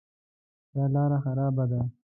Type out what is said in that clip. دا لاره خرابه ده